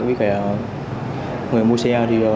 với người mua xe